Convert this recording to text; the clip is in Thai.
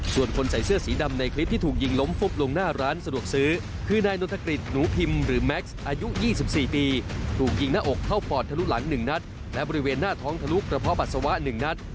ส่วนคนใส่เสื้อสีดำในคลิปที่ถูกยิงล้มฟุบลงหน้าร้านสะดวกซื้อคือนายนนทกฤษหนูพิมพ์หรือแม็กซ์อายุ๒๔ปีถูกยิงหน้าอกเข้าปอดทะลุหลัง๑นัดและบริเวณหน้าท้องทะลุกระเพาะปัสสาวะ๑นัด